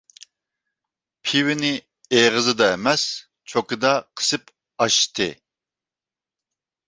پىۋىنى ئېغىزىدا ئەمەس، چوكىدا قىسىپ ئاچتى.